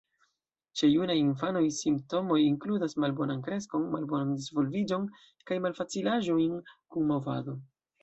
Ĉe junaj infanoj simptomoj inkludas malbonan kreskon, malbonan disvolviĝon kaj malfacilaĵojn kun movado.